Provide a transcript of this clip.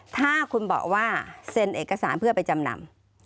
ถ้าคุณบอกว่าเซ็นเอกสารเพื่อไปจำนำ